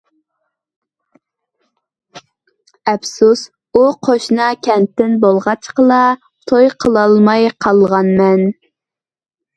ئەپسۇس، ئۇ قوشنا كەنتتىن بولغاچقىلا توي قىلالماي قالغانمەن.